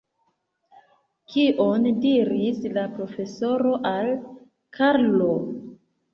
Kion diris la profesoro al Karlo?